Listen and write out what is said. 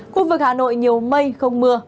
khu vực hà nội nhiều mây không mưa